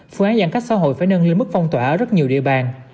phương án giãn cách xã hội phải nâng lên mức phong tỏa ở rất nhiều địa bàn